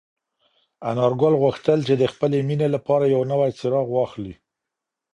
انارګل غوښتل چې د خپلې مېنې لپاره یو نوی څراغ واخلي.